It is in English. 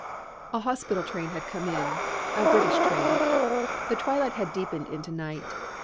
A hospital train had come in, a British train. The twilight had deepened into night.